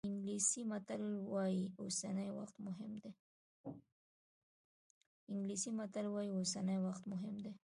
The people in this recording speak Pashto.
انګلیسي متل وایي اوسنی وخت مهم دی.